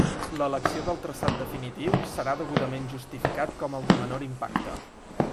L'elecció del traçat definitiu serà degudament justificat com el de menor impacte.